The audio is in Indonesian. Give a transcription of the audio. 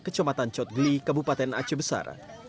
kecematan cotgli kabupaten aceh besar